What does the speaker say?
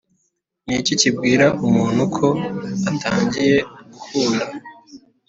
niki kibwira umuntu ko atangiye gukunda?"